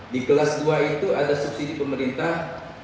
di kelas dua itu ada subsidi pemerintah satu ratus sembilan puluh